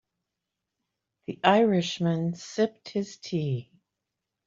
The Irish man sipped his tea.